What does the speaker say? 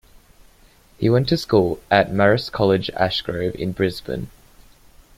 He went to school at Marist College Ashgrove in Brisbane.